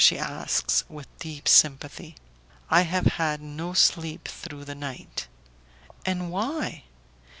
she asks, with deep sympathy. "I have had no sleep through the night." "And why?"